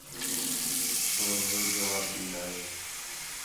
چھور ہوئی جواب ݙین٘دا ہِے